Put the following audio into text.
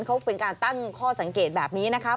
เขาเป็นการตั้งข้อสังเกตแบบนี้นะครับ